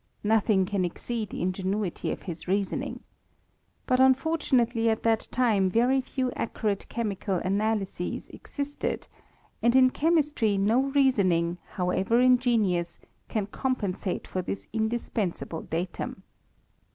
Nothing can exceed the ingenuity of his reasoning. But unfortunately at that time very few accurate chemical analyses existed; and in chemistry no reasoning, however ingenious, can compensate for this indispensable datum.